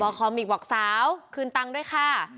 ธรรมบาลคอมิกบอกสาวคืนตังค์ด้วยค่ะ